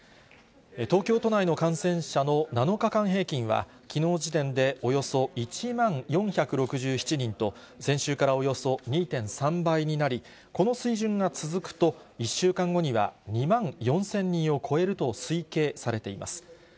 東京都内の感染者の７日間平均は、きのう時点でおよそ１万４６７人と、先週からおよそ２．３倍になり、この水準が続くと、１週間後には２万４０００人を超えると推計されています。